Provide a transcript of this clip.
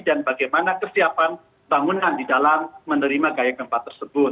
dan bagaimana kesiapan bangunan di dalam menerima gaya gempa tersebut